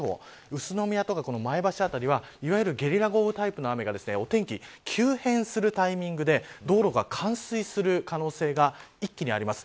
宇都宮や前橋辺りはゲリラ豪雨タイプの雨がお天気、急変するタイミングで道路が冠水する可能性が一気にあります。